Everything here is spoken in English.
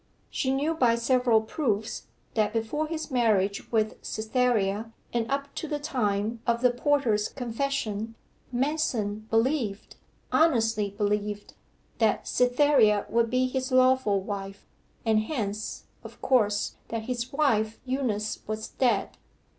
She knew by several proofs, that before his marriage with Cytherea, and up to the time of the porter's confession, Manston believed honestly believed that Cytherea would be his lawful wife, and hence, of course, that his wife Eunice was dead.